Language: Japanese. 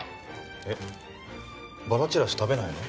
えっバラちらし食べないの？